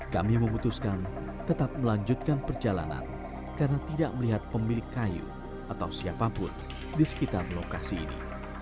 kami memutuskan tetap melanjutkan perjalanan karena tidak melihat pemilik kayu atau siapapun di sekitar lokasi ini